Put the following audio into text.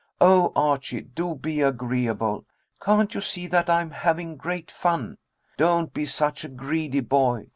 Oh, Archie, do be agreeable. Can't you see that I am having great fun? Don't be such a greedy boy.